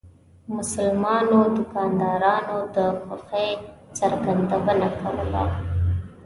مسلمانو دکاندارانو د خوښۍ څرګندونه کوله.